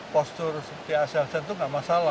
postur seperti aksesor itu nggak masalah